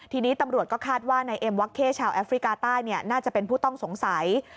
ทีนี้ตำรวจก็คาดว่านายเอ็มวักเข้ชาวแอฟริกาใต้น่าจะเป็นผู้ต้องสงสัย